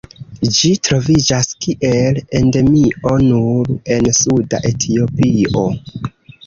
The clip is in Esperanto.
Ĝi troviĝas kiel endemio nur en suda Etiopio.